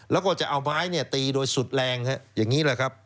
แล้วก็จะเอาไม้ตีโดยสุดแรงอย่างนี้แหละครับ